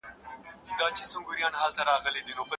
له هري تر بدخشانه ارغوان وي غوړېدلی